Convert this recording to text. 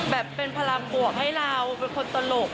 แบบเป็นพลังบวกให้เราเป็นคนตลก